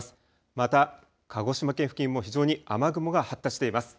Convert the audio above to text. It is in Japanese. また鹿児島県付近も非常に雨雲が発達しています。